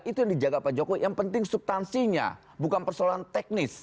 itu yang dijaga pak jokowi yang penting subtansinya bukan persoalan teknis